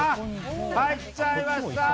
入っちゃいました！